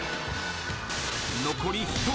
［残り１枠。